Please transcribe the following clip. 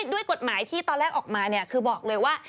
ด้วยกฎหมายที่ตอนแรกออกมาคือบอกเลยว่า